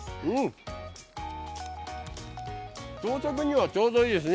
朝食にはちょうどいいですね。